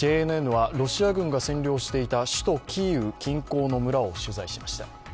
ＪＮＮはロシア軍が占領していた首都キーウ近郊の村を取材しました。